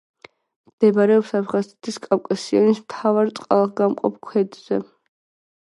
მდებარეობს აფხაზეთის კავკასიონის მთავარ წყალგამყოფ ქედზე.